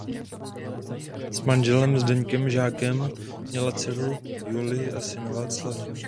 S manželem Zdeňkem Žákem měla dceru Julii a syna Václava.